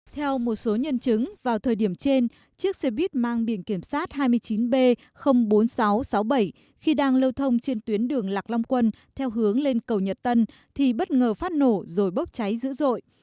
theo một số nhân chứng vào thời điểm trên chiếc xe buýt mang biển kiểm sát hai mươi chín b bốn nghìn sáu trăm sáu mươi bảy khi đang lưu thông trên tuyến đường lạc long quân theo hướng lên cầu nhật tân thì bất ngờ phát nổ rồi bốc cháy dữ dội